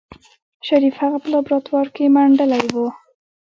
شريف هغه په لابراتوار کې منډلې وه.